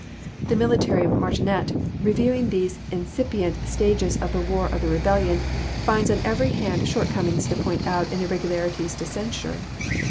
The military martinet, reviewing these incipient stages of the war of the rebellion, finds on every hand shortcomings to point out and irregularities to censure.